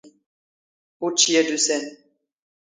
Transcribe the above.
ⵓⵜⵛⵉ ⴰⴷⵓⵙⴰⵏ.